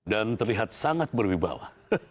dan terlihat sangat berwibawa